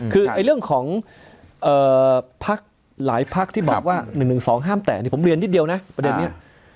คือเรื่องของพักหลายพักที่บอกว่า๑๑๒ห้ามแตะผมเรียนนิดเดียวนะประเด็นนี้